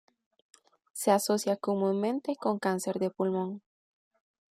Se asocia comúnmente con cáncer de pulmón.